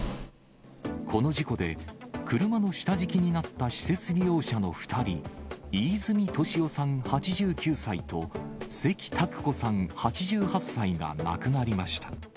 この事故で、車の下敷きになった施設利用者の２人、飯泉利夫さん８９歳と、関拓子さん８８歳が亡くなりました。